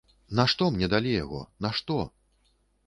Нашто мне далі яго, нашто?